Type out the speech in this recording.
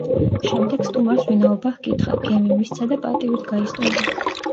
შემდეგ სტუმარს ვინაობა ჰკითხა, გემი მისცა და პატივით გაისტუმრა.